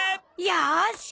よし！